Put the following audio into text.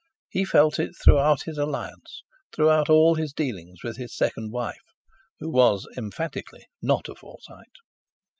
He felt it throughout his alliance, throughout all his dealings with his second wife, who was emphatically not a Forsyte.